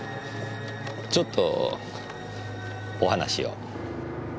ちょっとお話を。